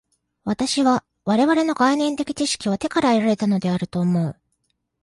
私は我々の概念的知識は手から得られたのであると思う。